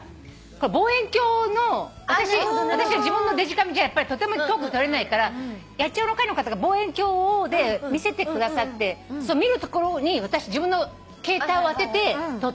望遠鏡の私は自分のデジカメじゃとても遠くて撮れないから野鳥の会の方が望遠鏡で見せてくださってその見るところに私自分の携帯を当てて撮ったの。